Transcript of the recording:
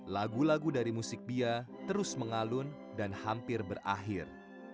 lagu lagu dari musik bia terus mengalun dan hampir berakhir